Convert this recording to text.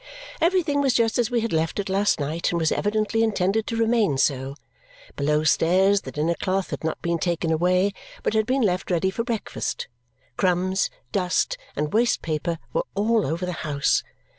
Everything was just as we had left it last night and was evidently intended to remain so. Below stairs the dinner cloth had not been taken away, but had been left ready for breakfast. Crumbs, dust, and waste paper were all over the house.